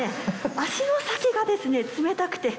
足の先がですね冷たくて。